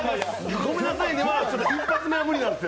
「ごめんなさいね」は１発目は無理なんですよ。